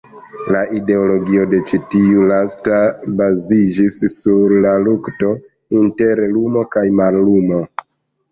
La ideologio de ĉi tiu lasta baziĝis sur la lukto inter lumo kaj mallumo.